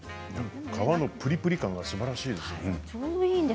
皮のプリプリ感がすばらしいですね。